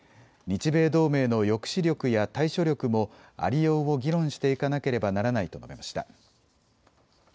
日米同盟の抑止力や対処力もありようを議論していかなければならないと述べました。